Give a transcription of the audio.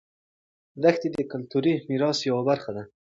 دښتې د کلتوري میراث یوه برخه ده.